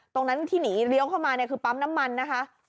ตรงนั้นที่หนีเลี้ยวเข้ามาเนี่ยคือปั๊มน้ำมันนะคะ